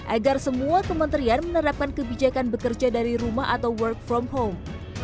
agar semua kementerian menerapkan kebijakan bekerja dari rumah atau work from home